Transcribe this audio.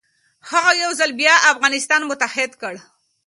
هغه یو ځل بیا افغانستان متحد کړ.